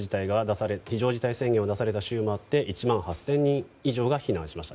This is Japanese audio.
非常事態宣言を出された州もあって１万８０００人以上が避難しました。